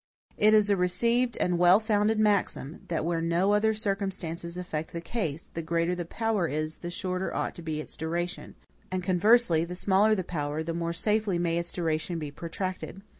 It is a received and well founded maxim, that where no other circumstances affect the case, the greater the power is, the shorter ought to be its duration; and, conversely, the smaller the power, the more safely may its duration be protracted.